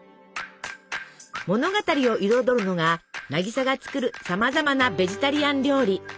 物語を彩るのが渚が作るさまざまなベジタリアン料理。